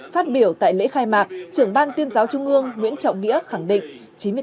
phát biểu tại lễ khai mạc trưởng ban tuyên giáo trung ương nguyễn trọng nghĩa khẳng định